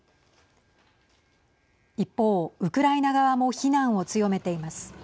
一方、ウクライナ側も非難を強めています。